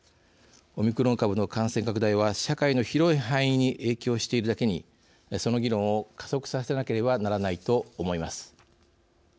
オミクロン株の感染拡大は社会の広い範囲に影響しているだけにその議論を加速させなければならないと思います。